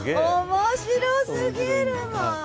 面白すぎるもう。